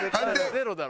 ゼロだろ。